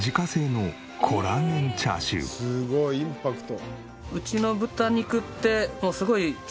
これがすごいインパクト。